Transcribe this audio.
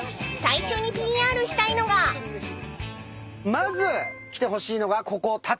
まず来てほしいのがここ。